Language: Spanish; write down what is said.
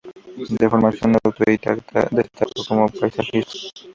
De formación autodidacta, destacó como paisajista.